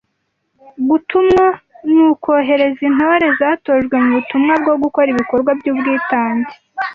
Gutumwa nu kohereza Intore zatojwe mu butumwa bwo gukora ibikorwa by’Ubwitange.